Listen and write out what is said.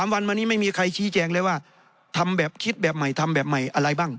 ๓วันมานี้ไม่มีใครชี้แจงเลยว่าทำแบบคิดแบบใหม่ทำแบบใหม่อะไรบ้าง